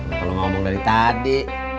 gak perlu ngomong dari tadi